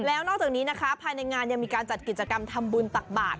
แล้วนอกจากนี้นะคะภายในงานยังมีการจัดกิจกรรมทำบุญตักบาท